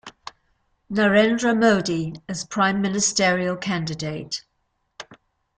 Narendra Modi as Prime Ministerial Candidate.